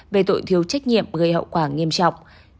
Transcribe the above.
về tội thiếu trách nhiệm gây hậu quả nghiêm trọng